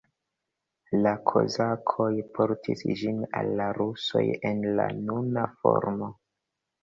La kozakoj portis ĝin al la rusoj en la nuna formo.